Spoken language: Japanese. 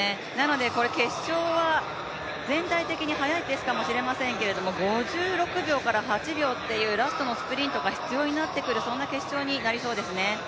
決勝は全体的に速いペースかもしれませんけれども、５６秒から８秒というラストのスプリントが必要になってくる決勝になりそうですね。